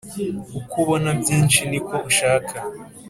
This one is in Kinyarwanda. uko ubona byinshi, niko ushaka